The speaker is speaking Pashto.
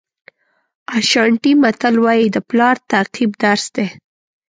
اشانټي متل وایي د پلار تعقیب درس دی.